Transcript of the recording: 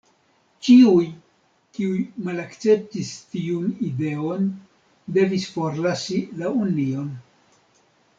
Ĉiuj kiuj malakceptis tiun ideon devis forlasi la union.